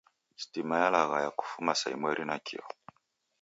Stima yalaghaya kufuma saa imweri nakio